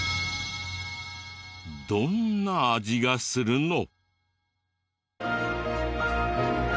どんな味がするの？